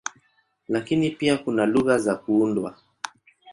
Lakini pia kuna lugha za kuundwa.